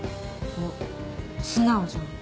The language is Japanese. おっ素直じゃん。